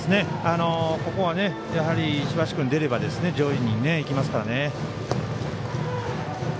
ここは、やはり石橋君出れば上位にいきますから。